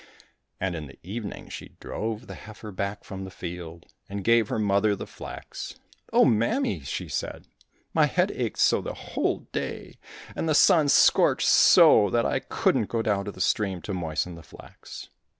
And in the evening she drove the heifer back from the field and gave her mother the flax. " Oh, mammy !" she said, *' my head ached so the whole day, and the sun scorched so, that I couldn't go down to the stream to moisten the flax."